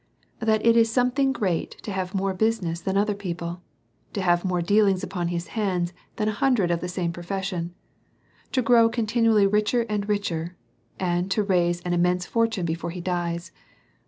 That it is something great to have more business than other DEVOUT AND HOLY LIFE. 1^5 people ; to have more dealings upon his hands than an hundred of the same profession ; to grow continually richer and richer, and to raise an immense fortune be fore he dies.